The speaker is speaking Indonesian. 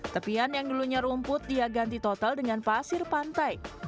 tepian yang dulunya rumput dia ganti total dengan pasir pantai